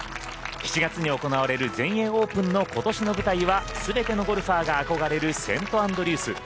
７月に行われる全英オープンの今年の舞台はすべてのゴルファーが憧れるセントアンドリュース。